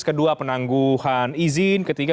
kedua penangguhan izin ketiga